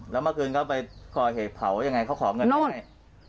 แล้วเมื่อคืนเขาไปก่อเหตุเผายังไงเขาขอเงินเราหน่อย